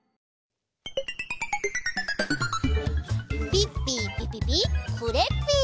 ピッピーピピピクレッピー！